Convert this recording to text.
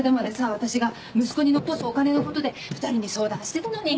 私が息子に残すお金のことで２人に相談してたのに。